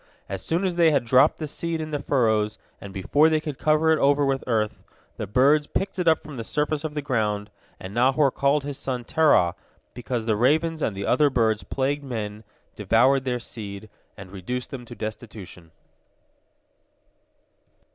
As soon as they had dropped the seed in the furrows, and before they could cover it over with earth, the birds picked it up from the surface of the ground, and Nahor called his son Terah, because the ravens and the other birds plagued men, devoured their seed, and reduced them to destitution.